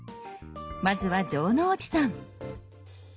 まずは城之内さん。